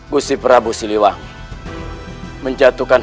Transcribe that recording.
gusti prabu siliwang menjatuhkan